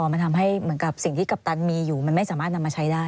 มันทำให้เหมือนกับสิ่งที่กัปตันมีอยู่มันไม่สามารถนำมาใช้ได้